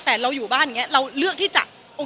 แต่เราอยู่บ้านเราเลือกที่จะ